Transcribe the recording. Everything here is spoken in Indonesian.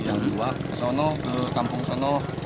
yang dua ke sono ke kampung sono